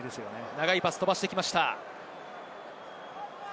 長いパスを飛ばしてきました。